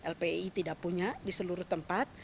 lpi tidak punya di seluruh tempat